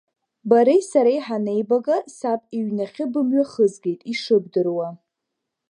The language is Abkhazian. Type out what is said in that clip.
Бареи сареи ҳанеибага, саб иҩнахьы бымҩахызгеит, ишыбдыруа.